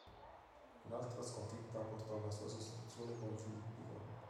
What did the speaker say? Un'altra sconfitta portò alla sua sostituzione con Filippico.